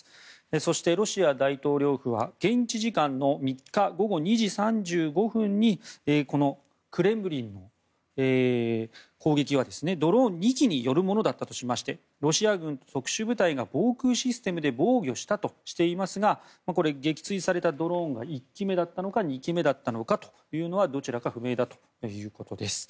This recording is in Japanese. そして、ロシア大統領府は現地時間の３日午後２時３５分にこのクレムリンへの攻撃はドローン２機によるものだったとしてロシア軍と特殊部隊が防空システムで防御したとしていますがこれ、撃墜されたドローンが１機目だったのか２機目だったのかというのはどちらか不明だということです。